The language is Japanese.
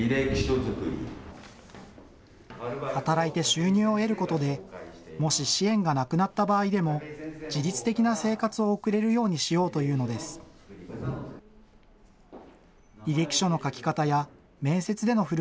収入を得ることで、もし、支援がなくなった場合でも、自立的な生活を送れるようにしようというのです。